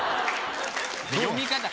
読み方。